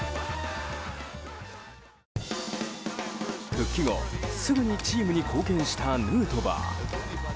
復帰後すぐにチームに貢献したヌートバー。